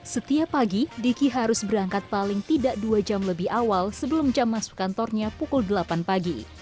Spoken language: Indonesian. setiap pagi diki harus berangkat paling tidak dua jam lebih awal sebelum jam masuk kantornya pukul delapan pagi